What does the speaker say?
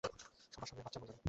সবার স্বামী আর বাচ্চা মরে যাবে।